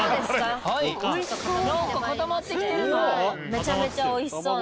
めちゃめちゃおいしそうな。